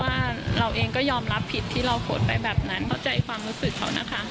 ว่าเราเองก็ยอมรับผิดที่เราขนไปแบบนั้นเข้าใจความรู้สึกเขานะคะ